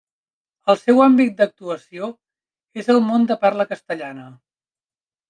El seu àmbit d'actuació és el món de parla castellana.